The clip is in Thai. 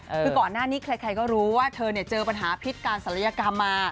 คือก่อนหน้านี้ใครก็รู้ว่าเธอเนี่ยเจอปัญหาพิษการศัลยกรรมมา